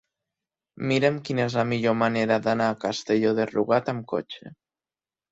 Mira'm quina és la millor manera d'anar a Castelló de Rugat amb cotxe.